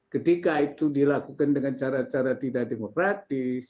ketika itu dilakukan dengan cara cara tidak demokratis